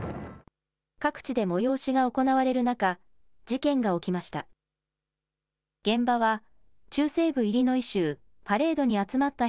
各地で催しが行われる中、事件が起きました。